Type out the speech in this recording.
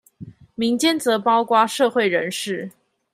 民間則包括社會人士